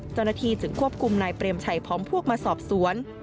เจ้าหน้าที่จึงควบคุมนายเปรมชัยพร้อมพวกมาสอบสวน